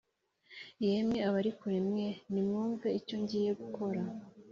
yemwe abari kure mwe nimwumve icyo ngiye gukora